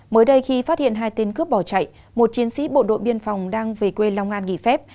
mới đây khi phát hiện hai tên cướp bỏ chạy một chiến sĩ bộ đội biên phòng đang về quê long an nghỉ phép